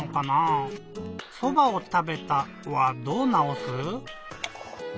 「そばをたべた」はどうなおす？